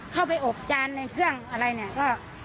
เข้าไปอบจานในเครื่องอะไรเนี่ยก็